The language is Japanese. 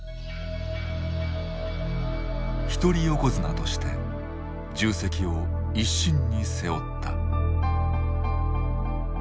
一人横綱として重責を一身に背負った。